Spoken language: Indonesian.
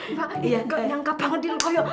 mbak gak nyangka banget di loko ya